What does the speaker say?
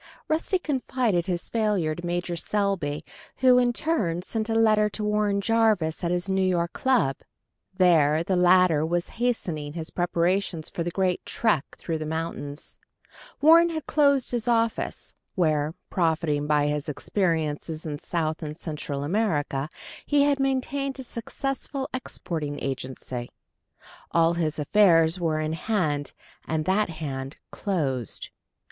Rusty confided his failure to Major Selby, who in turn sent a letter to Warren Jarvis at his New York club. There the latter was hastening his preparations for the great trek through the mountains. Warren had closed his office, where, profiting by his experiences in South and Central America, he had maintained a successful exporting agency: all his affairs were in hand, and that hand closed.